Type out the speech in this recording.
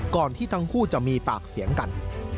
ก่อนที่ทั้งคู่จะมีปากเสียงกัน